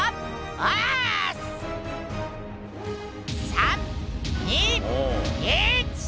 ３２１。